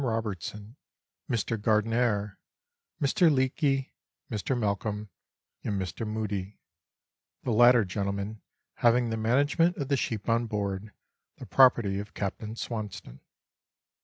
Robertson, 1 Mr. Gardiner, Mr. Leake, Mr. Malcolm, and Mr. Mudie, the latter gentleman having the manage ment of the sheep on board, the property of Capt. Swanston.